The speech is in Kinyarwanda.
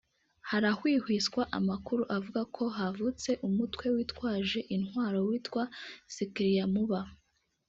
Harahwihwiswa amakuru avuga ko havutse umutwe witwaje intwaro witwa ‘sikilyamuba’